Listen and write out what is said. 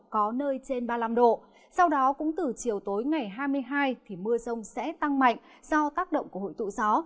có nơi trên ba mươi năm độ sau đó cũng từ chiều tối ngày hai mươi hai thì mưa rông sẽ tăng mạnh do tác động của hội tụ gió